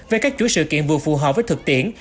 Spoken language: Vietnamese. về các chuỗi sự kiện vừa phù hợp với thực tiễn